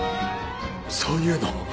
そういうの？